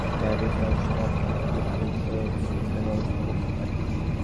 বিআইডিএসের মতো সংস্থাগুলো একটি উপযুক্ত পদ্ধতির সন্ধানে গবেষণা করতে পারে।